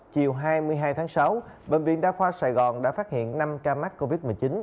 chiều hai mươi hai tháng sáu bệnh viện đa khoa sài gòn đã phát hiện năm ca mắc covid một mươi chín